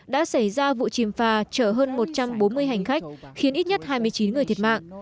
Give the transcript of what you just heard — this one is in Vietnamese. đã xảy ra vụ chìm phà chở hơn một trăm bốn mươi hành khách khiến ít nhất hai mươi chín người thiệt mạng